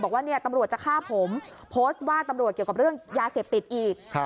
บอกว่าตำรวจจะฆ่าผมโพสต์ว่าตำรวจเกี่ยวกับเรื่องยาเสพติดอีก